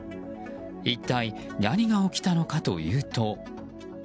一体何が起きたのかというと。